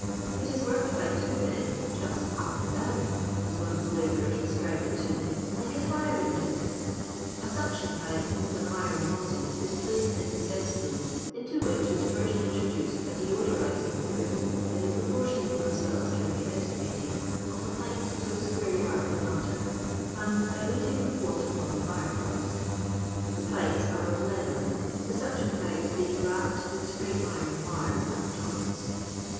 It is worked by two men, ''just up and dowot^ai one of the labourers described it to me, lilDBi fire engine." A suction pipe, with an iroa nozzle, is placed in the cesspool, into whisk ii fli st introduced a deodorising fluid* in the pro* portion, as well as can be estimated, of a piat to a square yard of matter, and diluted sxA water from the fire plugs. Tho pipes are of leather, the snction pipei being wrapped with spring iron wire at the joints.